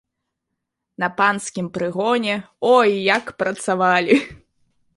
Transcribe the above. На панскім прыгоне, ой, як працавалі!